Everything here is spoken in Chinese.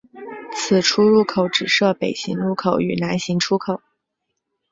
此出入口只设北行入口与南行出口。